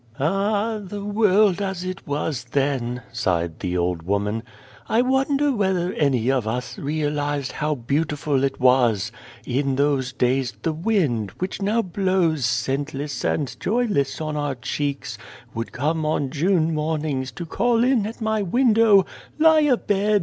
" Ah ! the world as it was then !" sighed the old woman. " I wonder whether any of us realised how beautiful it was ? In those days the wind, which now blows scentless and joyless on our cheeks, would come on June mornings to call in at my window :"' Lie a bed